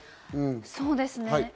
そうですね。